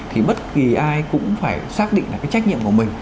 thì bất kỳ ai cũng phải xác định là cái trách nhiệm của mình